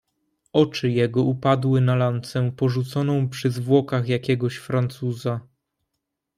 "Oczy jego upadły na lancę porzuconą przy zwłokach jakiegoś Francuza."